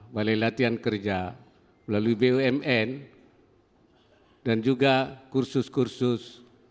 balai latihan kerja melalui bumn dan juga kursus kursus